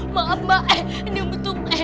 maaf mbak ini betul